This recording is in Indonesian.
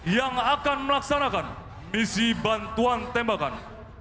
yang akan melaksanakan misi bantuan tembakan